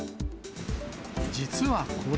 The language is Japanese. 実はこれ。